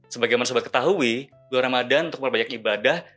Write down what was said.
sebagai mana sobat ketahui bulan ramadhan untuk berbanyak ibadah